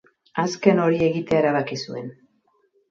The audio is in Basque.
Azken hori egitea erabaki zuen.